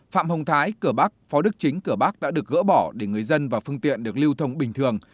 phạm hồng thái cửa bắc phó đức chính cửa bắc đã được gỡ bỏ để người dân và phương tiện được lưu thông bình thường